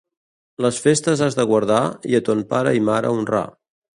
Les festes has de guardar i a ton pare i mare honrar.